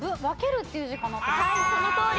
「分ける」っていう字かなと。